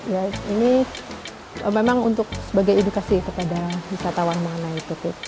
ya ini memang untuk sebagai edukasi kepada wisatawan mengenai itu